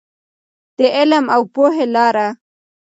د علم او پوهې لاره.